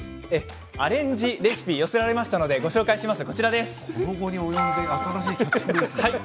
アレンジレシピが寄せられましたご紹介します。